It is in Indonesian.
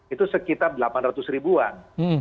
itu sekitar delapan ratus ribuan